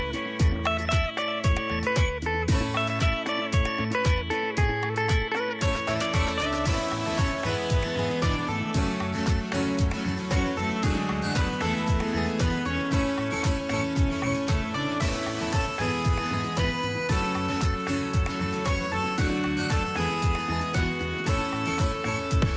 โปรดติดตามตอนต่อไป